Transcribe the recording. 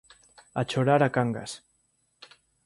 A chorar a Cangas